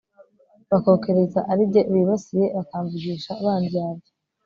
bakokereza ari jye bibasiye, bakamvugisha bandyarya